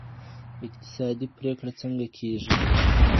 اقتصادي پریکړي څنګه کیږي؟